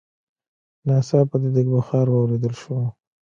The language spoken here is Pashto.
ناڅاپه د ديګ بخار واورېدل شو.